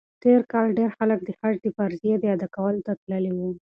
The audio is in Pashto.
تېر کال ډېر خلک د حج د فریضې ادا کولو ته تللي وو.